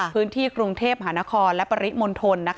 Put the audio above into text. พื้นที่กรุงเทพหานครและปริมณฑล